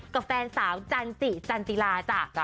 กับแฟนสาวจันจิจันติลาจ้ะ